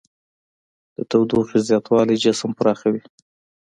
د تودوخې زیاتوالی جسم پراخوي.